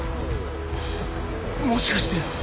もしかして。